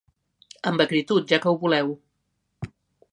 Amb acritud, ja que ho voleu.